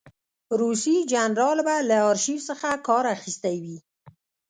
روسي جنرال به له آرشیف څخه کار اخیستی وي.